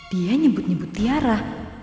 dia nyebut nyebut tiara